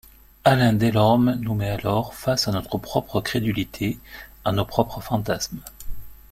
Alain Delorme nous met alors face à notre propre crédulité, à nos propres fantasmes.